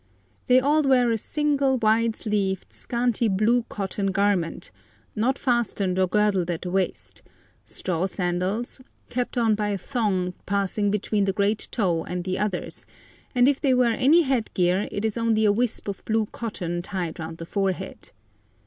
They all wear a single, wide sleeved, scanty, blue cotton garment, not fastened or girdled at the waist, straw sandals, kept on by a thong passing between the great toe and the others, and if they wear any head gear, it is only a wisp of blue cotton tied round the forehead.